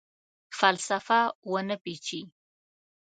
فلسفه ونه پیچي